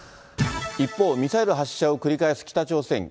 一方、ミサイル発射を繰り返す北朝鮮。